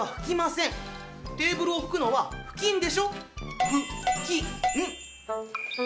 テーブルを拭くのは布巾でしょ？